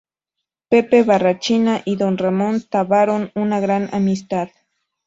Pepe Barrachina y Don Ramon trabaron una gran amistad.